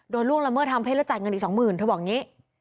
ล่วงละเมิดทางเพศแล้วจ่ายเงินอีกสองหมื่นเธอบอกอย่างนี้